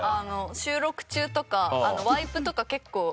収録中とかワイプとか結構。